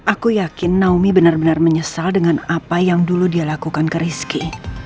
aku yakin naomi benar benar menyesal dengan apa yang dulu dia lakukan ke rizky